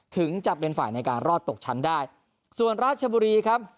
ถึงจะเป็นฝ่ายในการรอดตกชั้นได้ส่วนราชบุรีครับ